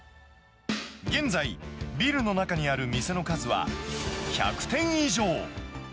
現在、ビルの中にある店の数は１００店以上。